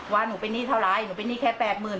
ว่าหนูเป็นหนี้เท่าไรหนูเป็นหนี้แค่๘๐๐๐